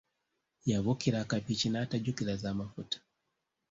Yabuukira akapiki n’atajjukira za mafuta